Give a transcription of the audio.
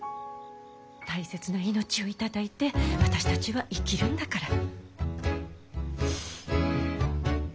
大切な命を頂いて私たちは生きるんだから。